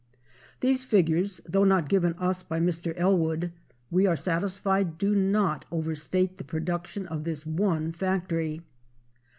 These figures, though not given us by Mr. Ellwood, we are satisfied do not overstate the production of this one factory.